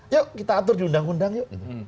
yuk kita atur di undang undang yuk